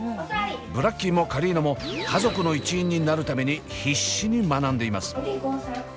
ブラッキーもカリーノも家族の一員になるために必死に学んでいます。